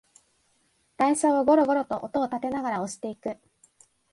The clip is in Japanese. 台車をゴロゴロと音をたてながら押していく